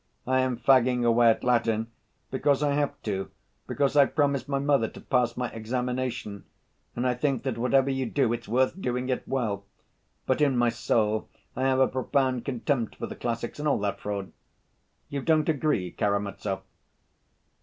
"I am fagging away at Latin because I have to, because I promised my mother to pass my examination, and I think that whatever you do, it's worth doing it well. But in my soul I have a profound contempt for the classics and all that fraud.... You don't agree, Karamazov?"